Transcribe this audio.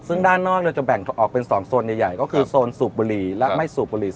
ซึ่งด้านนอกเราจะแบ่งออกเป็น๒โซนใหญ่ก็คือโซนสูบบุหรี่และไม่สูบบุหรี่